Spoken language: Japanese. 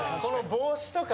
帽子とか。